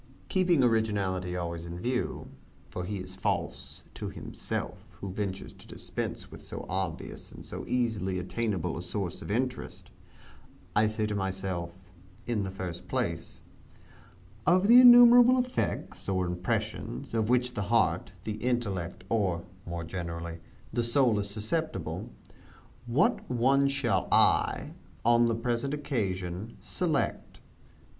Keeping originality always in view for he is false to himself who ventures to dispense with so obvious and so easily attainable a source of interest I say to myself, in the first place, "Of the innumerable effects, or impressions, of which the heart, the intellect, or (more generally) the soul is susceptible, what one shall I, on the present occasion, select?"